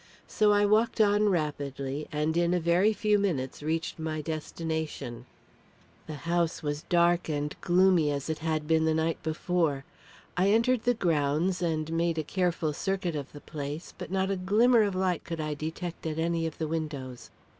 So I walked on rapidly, and in a very few minutes reached my destination. The house was dark and gloomy, as it had been the night before. I entered the grounds and made a careful circuit of the place, but not a glimmer of light could I detect at any of the windows.